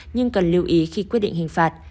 nhưng cần lưu ý khi quyết định hình phạt